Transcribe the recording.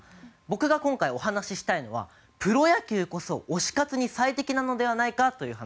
僕が今回お話ししたいのはプロ野球こそ推し活に最適なのではないかという話です。